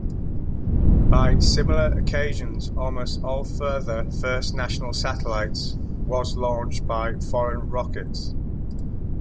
By similar occasions, almost all further first national satellites was launched by foreign rockets.